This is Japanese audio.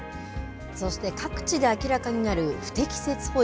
そして各地で明らかになる不適切保育。